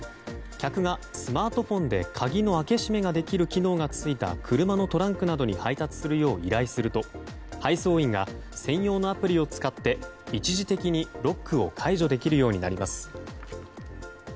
客が、スマートフォンで鍵の開け閉めができる機能が付いた車のトランクなどに配達するよう依頼すると配送員が専用のアプリを使って一時的にロックを解除できるようになります。